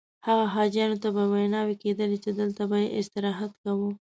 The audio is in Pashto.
هغه حاجیانو ته به ویناوې کېدلې چې دلته به یې استراحت کاوه.